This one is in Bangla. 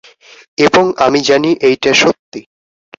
এবং আমি জানি এইটা সত্যি।